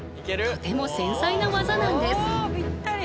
とても繊細な技なんです。